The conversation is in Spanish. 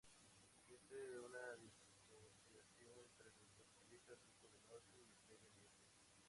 Existe una disociación entre los capitalistas ricos del Norte y el medio ambiente.